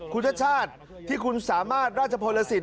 คุณชาติชาติที่คุณสามารถราชพลสิท